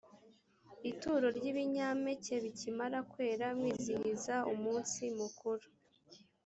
ituro ry’ibinyampeke bikimara kwera mwizihiza umunsi mukuru